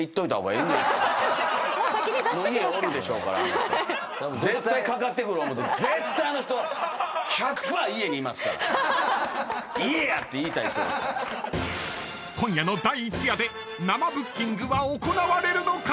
［今夜の第１夜で生ブッキングは行われるのか⁉］